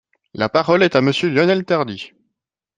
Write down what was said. La parole est à Monsieur Lionel Tardy.